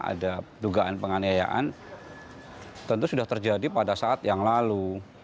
ada dugaan penganiayaan tentu sudah terjadi pada saat yang lalu